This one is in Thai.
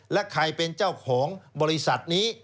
และใครเป็นเจ้าของบริษัทนี้